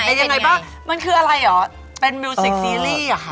เป็นยังไงบ้างมันคืออะไรเหรอเป็นมิวสิกซีรีส์อ่ะค่ะ